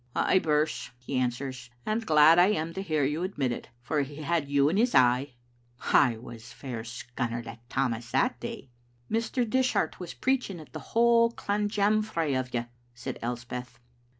'Ay, Birse,' he answers, 'and glad I am to hear you admit it, for he had you in his eye.* I was fair scunnered at Tammas the day." " Mr. Dishart was preaching at the whole clanjamfray o* you," said Elspeth.